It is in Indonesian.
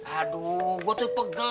aduh gue tuh pegel